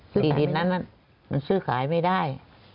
ที่ดินนั้นมันซื้อขายไม่ได้